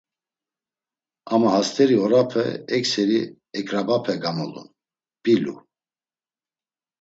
Ama hast̆eri orape ekseri eǩrabape gamulun “mp̌ilu”.